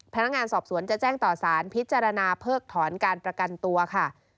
พนักงานสอบสวนจะแจ้งต่อสารพิจารณาเพิกถอนการประกันตัวค่ะ